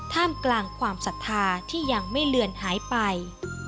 ท่ามกลางความศรัทธาที่ยังไม่เลือนหายไป